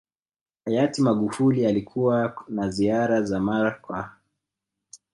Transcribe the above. Hayati Magufuli alikuwa na ziara za mara kwa